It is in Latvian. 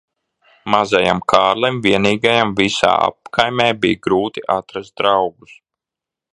Mazajam Kārlim vienīgajam visā apkaimē bija grūti atrast draugus.